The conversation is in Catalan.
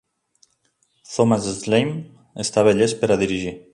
Thomas Schlamme estava llest per a dirigir.